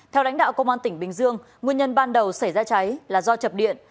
theo lãnh đạo công an tỉnh bình dương nguyên nhân ban đầu xảy ra cháy là do chập điện